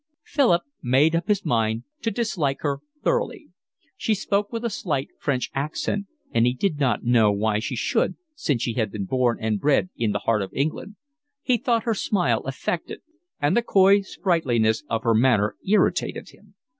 Philip made up his mind to dislike her thoroughly. She spoke with a slight French accent; and he did not know why she should, since she had been born and bred in the heart of England. He thought her smile affected, and the coy sprightliness of her manner irritated him.